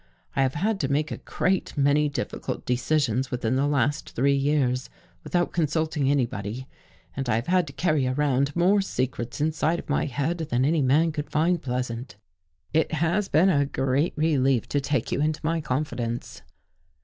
I have had to make a great many difficult decisions within the last three years without consulting anybody, and I have had to carry around more secrets inside of my head than any man could find pleasant. It has been a great relief to take you into my confidence."